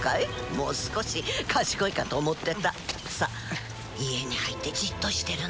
もう少し賢いかと思ってたさあ家に入ってじっとしてるんだよ